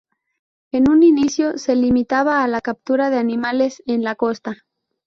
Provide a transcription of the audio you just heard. En un inicio se limitaba a la captura de animales en la costa.